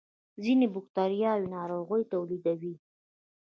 ځینې بکتریاوې ناروغۍ تولیدوي